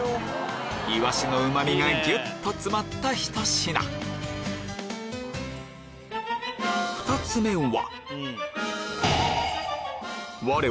イワシのうま味がぎゅっと詰まったひと品２つ目は？